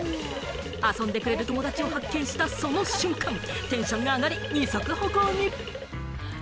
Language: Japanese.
遊んでくれる友達を発見したその瞬間、テンションが上がり、二足歩行に。